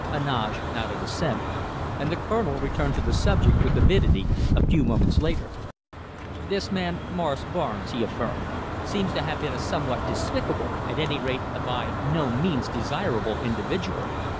Heneage nodded assent, and the Colonel returned to the subject with avidity a few moments later. "This man Morris Barnes," he affirmed, "seems to have been a somewhat despicable, at any rate, a by no means desirable individual.